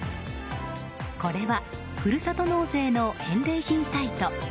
これはふるさと納税の返礼品サイト。